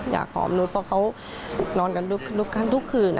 อยากขอมนุ๊ดเพราะเขานอนกันทุกคืน